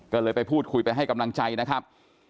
ก็เลยไปพูดคุยไปให้กำลังใจนะครับ